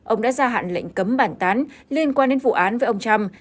ông đã gia hạn lệnh cấm bản tán liên quan đến vụ án với ông trump